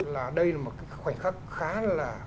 là đây là một khoảnh khắc khá là